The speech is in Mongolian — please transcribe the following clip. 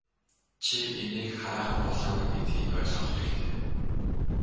Чи инээх хараахан болоогүй гэдгийг ойлгох хэрэгтэй.